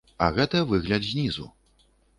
А гэта выгляд знізу.